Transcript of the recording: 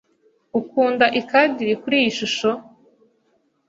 Ukunda ikadiri kuriyi shusho?